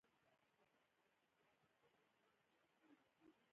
باسواده ښځې د جرګو غړې کیدی شي.